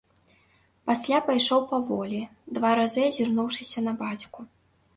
Пасля пайшоў паволі, два разы азірнуўшыся на бацьку.